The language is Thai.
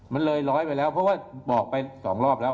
มันเลยร้อยไปแล้วเพราะว่าบอกไป๒รอบแล้ว